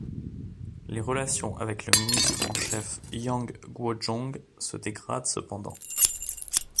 Les relations avec le ministre en chef Yang Guozhong se dégradent cependant.